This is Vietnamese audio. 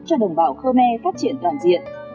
cho đồng bào khmer phát triển toàn diện